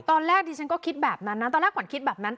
ตอนแรกดิฉันก็คิดแบบนั้นนะตอนแรกขวัญคิดแบบนั้น